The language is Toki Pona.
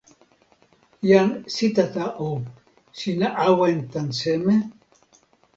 jan Sitata o, sina awen tan seme?